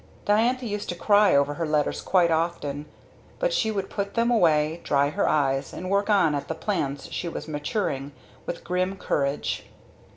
Diantha used to cry over her letters quite often. But she would put them away, dry her eyes, and work on at the plans she was maturing, with grim courage.